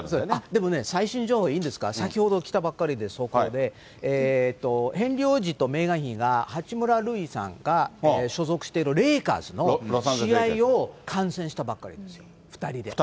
でもね、最新情報いいですか、先ほど来たばっかりで、ヘンリー王子とメーガン妃が、八村塁さんが所属しているレーカーズの試合２人で？